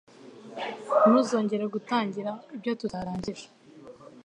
Ntuzongere gutangira ibyo tutaranjyije.